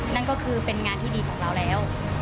นั่นก็คือเป็นงานที่ดีของเราแล้ว